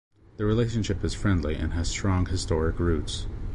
The relationship is friendly and has strong historic roots.